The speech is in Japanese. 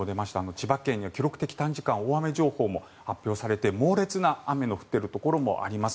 千葉県には記録的短時間大雨情報も発表されて猛烈な雨の降っているところもあります。